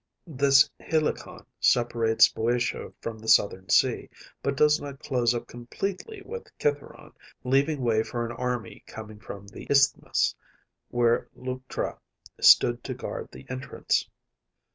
This Helicon separates BŇďotia from the southern sea, but does not close up completely with Cithæron, leaving way for an army coming from the isthmus, where Leuctra stood to guard the entrance.